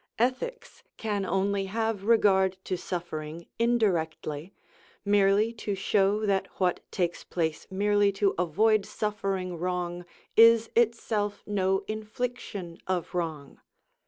Ethics can only have regard to suffering indirectly, merely to show that what takes place merely to avoid suffering wrong is itself no infliction of wrong.